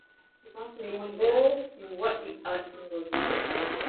Min boo mi waɗi asngol.